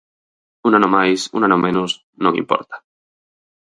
Un ano máis, un ano menos, non importa.